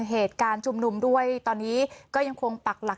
เหตุการณ์ชุมนุมด้วยตอนนี้ก็ยังคงปักหลัก